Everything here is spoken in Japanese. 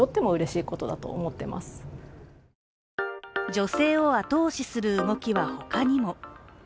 女性を後押しする動きは他にも。